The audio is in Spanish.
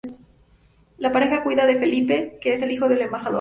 La pareja cuida de Felipe, que es el hijo del embajador.